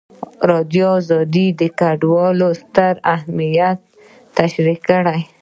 ازادي راډیو د کډوال ستر اهميت تشریح کړی.